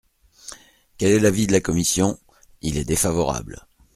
Quel est l’avis de la commission ? Il est défavorable.